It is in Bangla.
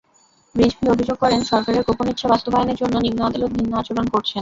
রিজভী অভিযোগ করেন, সরকারের গোপন ইচ্ছা বাস্তবায়নের জন্য নিম্ন আদালত ভিন্ন আচরণ করছেন।